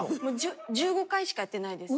１５回しかやってないです。